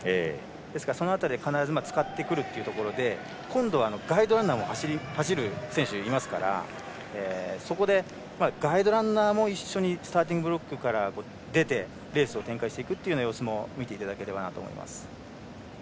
ですから、その辺り必ず使ってくる中で今度はガイドランナーも走る選手がいますからそこでガイドランナーも一緒にスターティングブロックから出てレースを展開していくという様子も見ていただければなと思います。